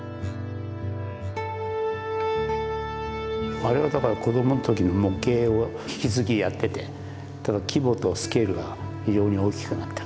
あれはだから子どもの時の模型を引き続きやっててただ規模とスケールが非常に大きくなった。